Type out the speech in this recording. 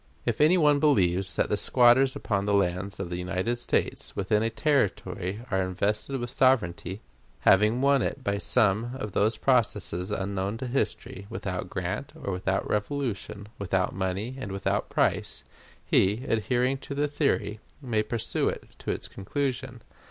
If any one believes that the squatters upon the lands of the United States within a Territory are invested with sovereignty, having won it by some of those processes unknown to history, without grant, or without revolution, without money and without price, he, adhering to the theory, may pursue it to its conclusion.